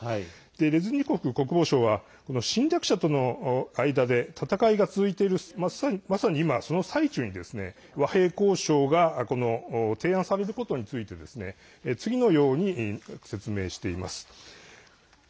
レズニコフ国防相は侵略者との間で戦いが続いているまさに今、その最中に和平交渉が提案されることについて次のように説明しています。